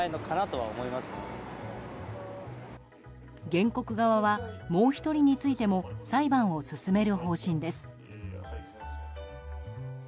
原告側は、もう１人についても裁判を進める方針です。